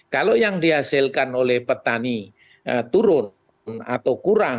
kalau yang dihasilkan oleh petani turun atau kurang